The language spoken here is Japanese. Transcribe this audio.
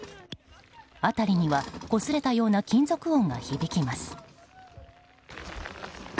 辺りにはこすれたような金属音が響きます。